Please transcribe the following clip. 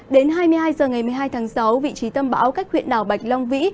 đến hai mươi hai h ngày một mươi hai tháng sáu vị trí tâm bão cách huyện đảo bạch long vĩ